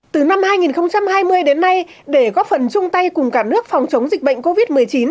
từ năm hai nghìn hai mươi đến nay để góp phần chung tay cùng cả nước phòng chống dịch bệnh covid một mươi chín